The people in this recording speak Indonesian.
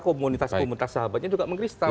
komunitas komunitas sahabatnya juga mengkristal